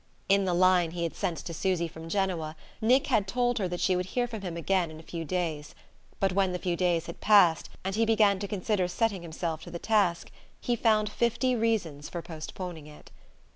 In the line he had sent to Susy from Genoa Nick had told her that she would hear from him again in a few days; but when the few days had passed, and he began to consider setting himself to the task, he found fifty reasons for postponing it.